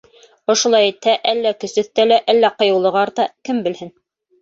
Ошолай итһә, әллә көс өҫтәлә, әллә ҡыйыулығы арта, кем белһен.